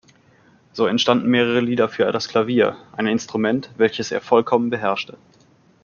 So entstanden mehrere Lieder für das Klavier, ein Instrument, welches er vollkommen beherrschte.